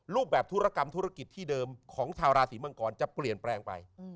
รูปแบบธุรกรรมธุรกิจที่เดิมของชาวราศีมังกรจะเปลี่ยนแปลงไป